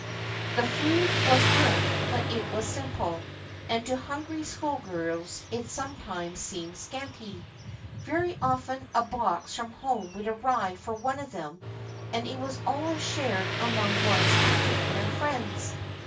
The food was good but it was simple, and to hungry schoolgirls it sometimes seemed scanty. Very often a box from home would arrive for one of them and it was always shared among one's particular friends.